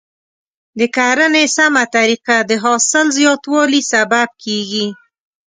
د کرنې سمه طریقه د حاصل زیاتوالي سبب کیږي.